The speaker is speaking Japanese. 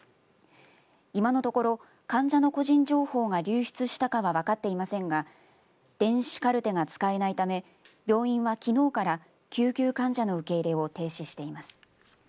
今のところ患者の個人情報が流出したかは分かっていませんが電子カルテが使えないため病院は、きのうから救急患者の受け入れを停止しています。